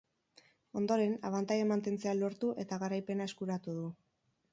Ondoren, abantaila mantentzea lortu eta garaipena eskuratu du.